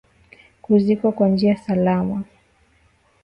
kuzikwa kwa njia salama